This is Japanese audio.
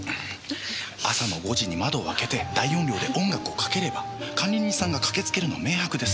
朝の５時に窓を開けて大音量で音楽をかければ管理人さんが駆けつけるのは明白です。